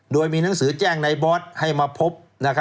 โดยมีหนังสือแจ้งในบอสให้มาพบ